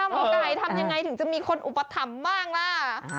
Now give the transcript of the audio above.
มองไกลทำอย่างไรถึงจะมีคนอุปฏิภัมธ์บ้างล่ะ